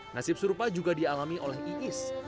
nasib serupa juga dialami oleh iis